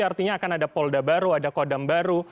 artinya akan ada polda baru ada kodam baru